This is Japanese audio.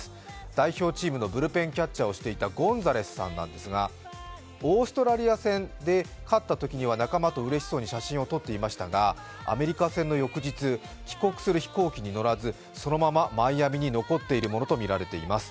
代表チームのブルペンキャッチャーをしていたゴンザレスさんなんですがオーストラリア戦で勝ったときには仲間とうれしそうに写真を撮っていましたがアメリカ戦の翌日、帰国する飛行機に乗らずそのままマイアミに残っているものとみられます。